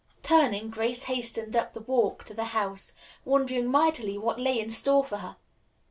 Turning, Grace hastened up the walk to the house, wondering mightily what lay in store for her.